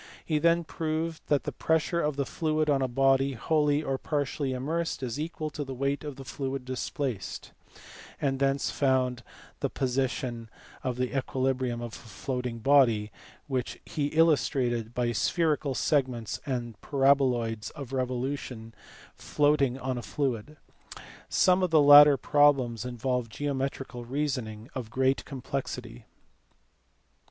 He then proved that the pressure of the fluid on a body, wholly or partially immersed, is equal to the weight of the fluid displaced ; and thence found the position of equilibrium of a floating body, which he illustrated by spherical segments and paraboloids of revolution floating on a fluid. Some of the latter problems involve geometrical reason ing of great complexity.